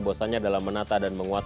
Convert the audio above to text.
mbak su empresa wi may not be familiar